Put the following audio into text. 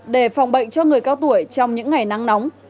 để phòng bệnh cho người cao tuổi trong những ngày nắng nóng